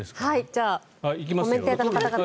じゃあコメンテーターの皆様